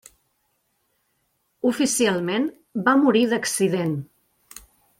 Oficialment, va morir d'accident.